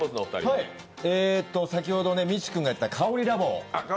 先ほどみち君がやった香りラボ。